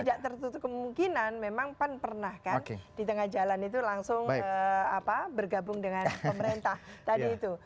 tidak tertutup kemungkinan memang pan pernah kan di tengah jalan itu langsung bergabung dengan pemerintah tadi itu